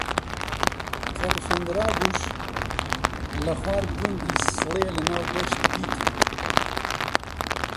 کە ڕفێنرابووش، لە خوار گوندی سڵێ لە ناو دەشت دیتم